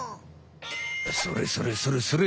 それそれそれそれ！